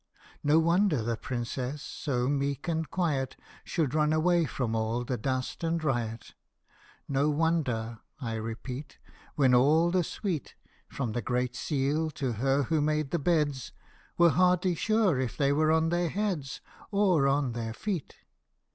No wonder the Princess, so meek and quiet, Should run away from all the dust and riot. No wonder, I repeat, When all the uite, From the Great Seal to her who made the beds, Were hardly sure if they were on their heads, Or on their feet